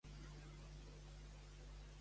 Com pot semblar l'ànima d'Elsa?